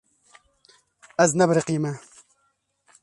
Ez nebiriqîme.